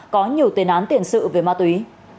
có nhiều tên án tiền sự về ma túy